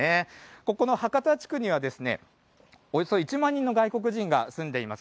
ここの博多地区には、およそ１万人の外国人が住んでいます。